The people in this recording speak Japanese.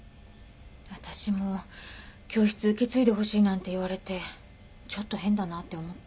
私も教室受け継いでほしいなんて言われてちょっと変だなって思った。